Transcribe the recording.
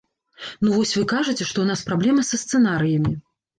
Ну вось вы кажаце, што ў нас праблема са сцэнарыямі.